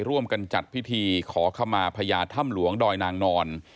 ร่วมกันจัดพิธีขอขมาพญาถ้ำหลวงดอยนางนอน